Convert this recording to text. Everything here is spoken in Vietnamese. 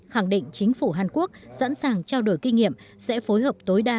khẳng định chính phủ hàn quốc sẵn sàng trao đổi kinh nghiệm sẽ phối hợp tối đa